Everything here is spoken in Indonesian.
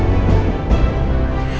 itu bosnya andin